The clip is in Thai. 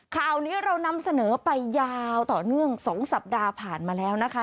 ข่าวนี้เรานำเสนอไปยาวต่อเนื่อง๒สัปดาห์ผ่านมาแล้วนะคะ